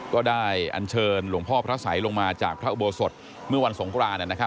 ก็ได้อันเชิญหลวงพ่อพระสัยลงมาจากพระอุโบสถเมื่อวันสงคราน